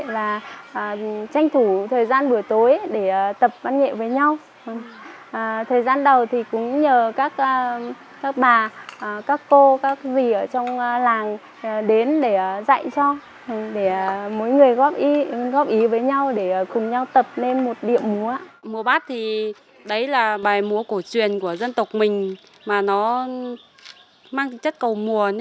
và tranh thủ thời gian bữa tối để tập văn nghệ với nhau